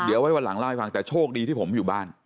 เดี๋ยวไว้วันหลังเล่าให้ฟังแต่โชคดีที่ผมอยู่บ้าน